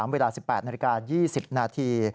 เวลา๑๘นาฬิกา๒๐นาที